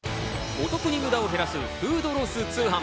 お得に無駄を減らすフードロス通販。